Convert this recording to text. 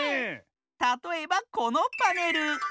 たとえばこのパネル。